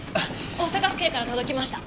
大阪府警から届きました。